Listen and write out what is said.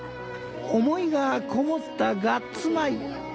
思いがこもったガッツ米。